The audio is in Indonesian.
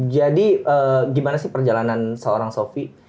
jadi gimana sih perjalanan seorang sofi